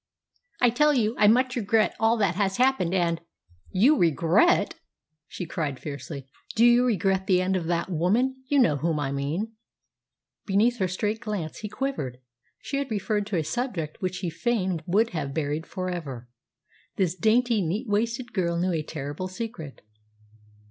"I tell you, I much regret all that has happened, and " "You regret!" she cried fiercely. "Do you regret the end of that woman you know whom I mean?" Beneath her straight glance he quivered. She had referred to a subject which he fain would have buried for ever. This dainty neat waisted girl knew a terrible secret.